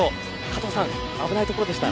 加藤さん、危ないところでした。